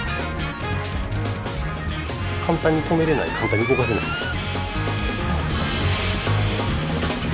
簡単に止めれない簡単に動かせないんですよ。